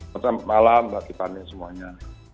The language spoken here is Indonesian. selamat malam wakit pani semuanya